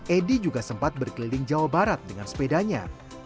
edi juga sempat berkeliling jawa barat dengan sepedanya